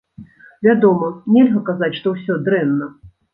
Вядома, нельга казаць, што ўсё дрэнна.